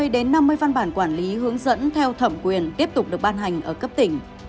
hai mươi đến năm mươi văn bản quản lý hướng dẫn theo thẩm quyền tiếp tục được ban hành ở cấp tỉnh